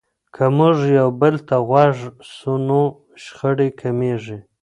که موږ یو بل ته غوږ سو نو شخړې کمیږي.